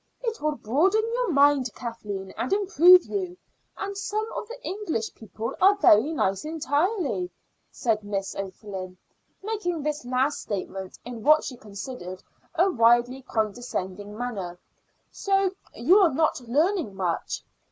"It will broaden your mind, Kathleen, and improve you. And some of the English people are very nice entirely," said Miss O'Flynn, making this last statement in what she considered a widely condescending manner. "So your are not learning much?"